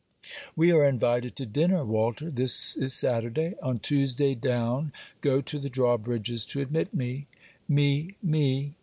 We are invited to dinner, Walter. This is Saturday. On Tuesday down go the draw bridges to admit me: me, me.